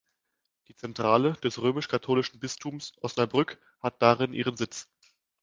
Die Zentrale des römisch-katholischen Bistums Osnabrück hat darin ihren Sitz.